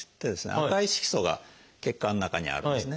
赤い色素が血管の中にあるんですね。